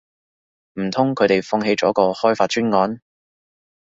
唔通佢哋放棄咗個開發專案